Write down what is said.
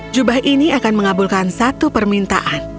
jubah ini akan mengabulkan satu permintaan